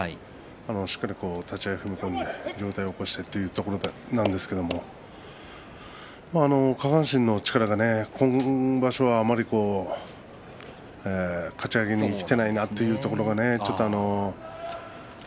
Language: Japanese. しっかり立ち合い踏み込んで上体を起こしてというところなんですけれど下半身の力が今場所はあまりかち上げに生きてないなというところが、ちょっと。